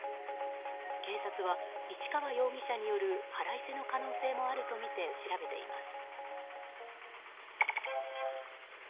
警察は、市川容疑者による腹いせの可能性もあるとみて調べています。